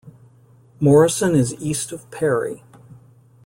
Morrison is East of Perry.